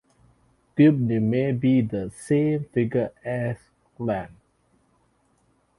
Goibniu may be the same figure as Culann.